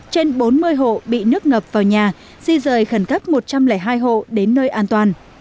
trên bốn mươi hộ bị nước ngập vào nhà di rời khẩn cấp một trăm linh hai hộ đến nơi an toàn